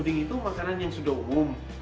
daging itu makanan yang sudah umum